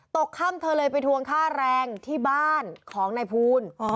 ตกค่ำเธอเลยไปทวงค่าแรงที่บ้านของนายภูล